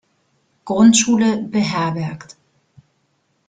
Grundschule beherbergt.